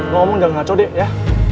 lo omong jangan ngaco deh ya